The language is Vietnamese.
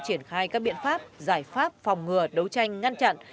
triển khai các biện pháp giải pháp phòng ngừa đấu tranh ngăn chặn